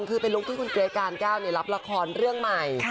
คือเป็นลุคที่คุณเกรทการก้าวรับละครเรื่องใหม่